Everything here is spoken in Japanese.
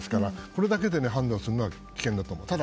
これだけで判断するのは危険だと思います。